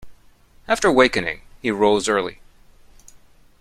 After wakening, he rose early.